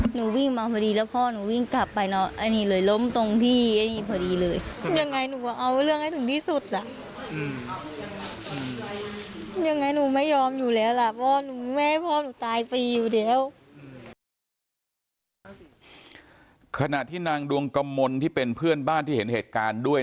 หนูวิ่งมาพอดีล่ะพ่อนูวิ่งกลับไปน่ะเลยล้มตรงที่เยี่ยมประดีเลย